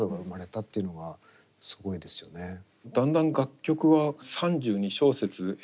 だんだん楽曲は３２小節